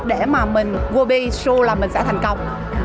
để mà mình will be sure là mình sẽ thành công